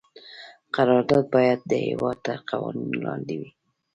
قرارداد باید د هیواد تر قوانینو لاندې وي.